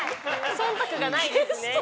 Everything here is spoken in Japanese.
忖度がないですね。